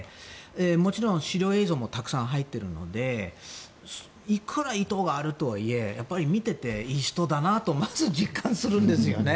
もちろん資料映像もたくさん入っているのでいくら意図があるとはいえ見てて、いい人だなとまず実感するんですよね。